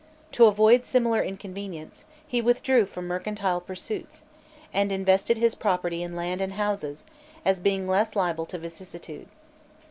To avoid similar inconvenience, he withdrew from mercantile pursuits, and invested his property in land and houses, as being less liable to vicissitude.